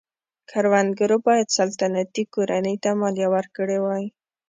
کروندګرو باید سلطنتي کورنۍ ته مالیه ورکړې وای.